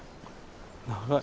長い。